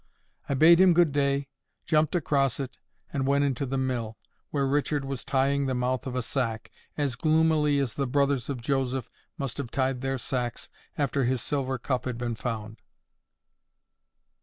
I bade him good day, jumped across it, and went into the mill, where Richard was tying the mouth of a sack, as gloomily as the brothers of Joseph must have tied their sacks after his silver cup had been found.